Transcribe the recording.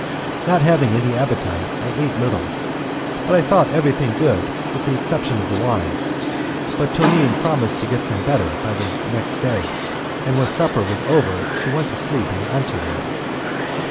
Not having any appetite, I ate little, but I thought everything good with the exception of the wine; but Tonine promised to get some better by the next day, and when supper was over she went to sleep in the ante room.